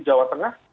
di jawa tengah